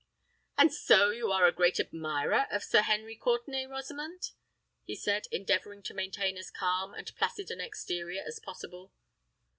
"And so you are a great admirer of Sir Henry Courtenay, Rosamond?" he said, endeavouring to maintain as calm and placid an exterior as possible.